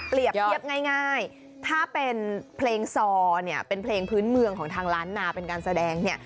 เทียบง่ายถ้าเป็นเพลงซอเนี่ยเป็นเพลงพื้นเมืองของทางล้านนาเป็นการแสดงเนี่ย